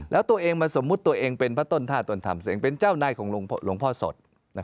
แล้วตัวเองมาสมมุติตัวเองเป็นพระต้นท่าต้นธรรมตัวเองเป็นเจ้านายของหลวงพ่อสด